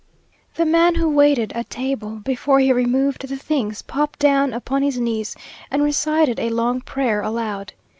The man who waited at table, before he removed the things, popped down upon his knees, and recited a long prayer aloud.